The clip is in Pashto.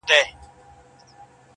پر سجدوی وي زیارتو کي د پیرانو٫